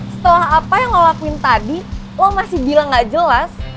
setelah apa yang ngelakuin tadi lo masih bilang gak jelas